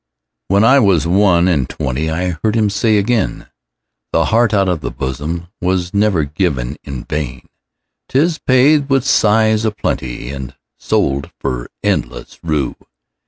When I was one and twentyI heard him say again,'The heart out of the bosomWas never given in vain;'Tis paid with sighs a plentyAnd sold for endless rue.